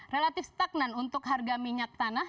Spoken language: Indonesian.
relatif stagnan untuk harga minyak tanah